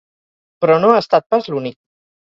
Però no ha estat pas l’únic.